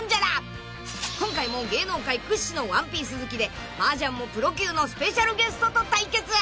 ［今回も芸能界屈指の『ワンピース』好きでマージャンもプロ級のスペシャルゲストと対決］